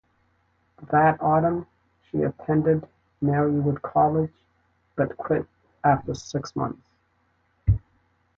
That autumn, she attended Marywood College, but quit after six months.